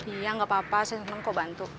iya gak apa apa saya seneng kok bantu